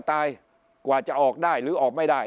กว่าจะออกได้หรือออกไม่ได้